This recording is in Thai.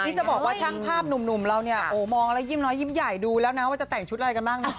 นี่จะบอกว่าช่างภาพหนุ่มเราเนี่ยโอ้มองแล้วยิ้มน้อยยิ้มใหญ่ดูแล้วนะว่าจะแต่งชุดอะไรกันบ้างเนาะ